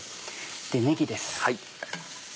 ねぎです。